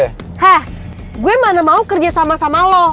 hah gue mana mau kerja sama sama lo